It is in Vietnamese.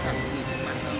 con ra đây mà